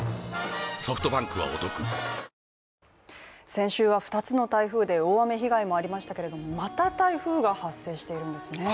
先週は２つの台風で大雨被害がありましたけれども、また、台風が発生しているんですね。